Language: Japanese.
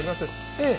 ええ